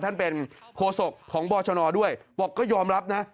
ท่านเป็นโฆษกของบอชนด้วยบอกก็ยอมรับนะ